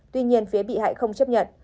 tuy nhiên phía bị hại không chấp nhận